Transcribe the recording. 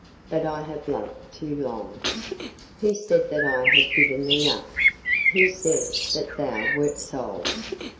but I have loved too long. Who said that I had given thee up, who said that thou wert sold?